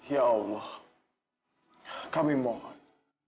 ya allah kami mohon